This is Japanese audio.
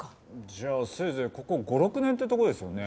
じゃあせいぜいここ５６年ってとこですよね。